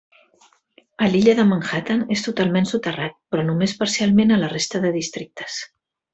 A l'illa de Manhattan és totalment soterrat, però només parcialment a la resta de districtes.